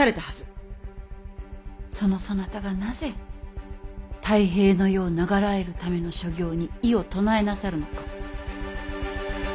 そのそなたがなぜ太平の世を永らえるための所業に異を唱えなさるのか。